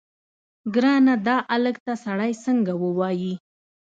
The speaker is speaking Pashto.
ګرانه دا الک ته سړی څنګه ووايي.